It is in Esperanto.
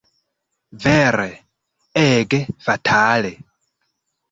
Vere, ege fatale!